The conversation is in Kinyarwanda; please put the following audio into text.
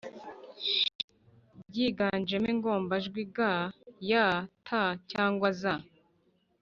byiganjemo ingombajwi g, y, t cyangwa z,